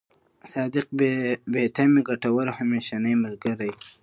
صادق، بې تمې، ګټور او همېشنۍ ملګری.